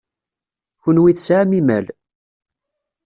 Kenwi tesɛam imal.